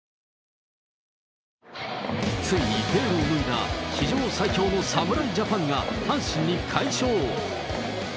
ついにベールを脱いだ史上最強の侍ジャパンが阪神に快勝。